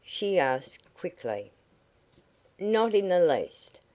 she asked, quickly. "Not in the least.